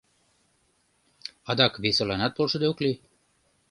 Адак весыланат полшыде ок лий.